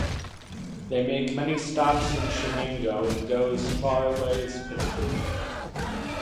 They make many stops in Shenango and go as far away as Pittsburgh.